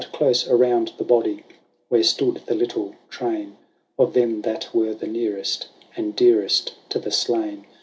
But close around the body, where stood the little train Of them that were the nearest and dearest to the slain.